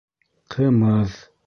Ҡымыҙ